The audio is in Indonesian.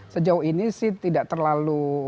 sejauh ini sih tidak terlalu